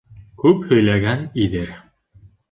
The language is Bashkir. Күп һөйләгән иҙер